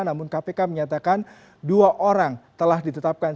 namun kpk menyatakan dua orang telah ditetapkan